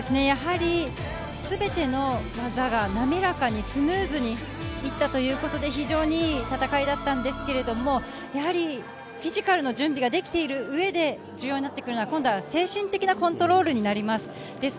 やはりすべての技が滑らかにスムーズに行ったということで非常にいい戦いだったんですけれど、やはりフィジカルの準備ができている上で重要になってくるのは今度は精神的なコントロールになります。